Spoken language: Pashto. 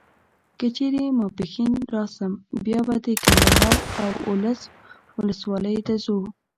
که چیري ماپښین راسم بیا به د کندهار و اولس ولسوالیو ته ځو.